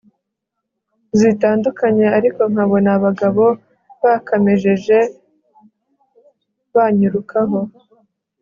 zitandukanye ariko nkabona abagabo bakamejeje banyirukaho